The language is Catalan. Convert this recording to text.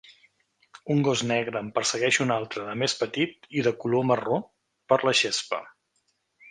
Un gos negre en persegueix un altre de més petit i de color marró per la gespa.